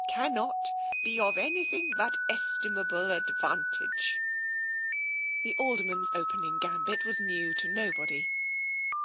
nnot be of anything but in estimable advantage." The Alderman's opening gambit was new to nobody.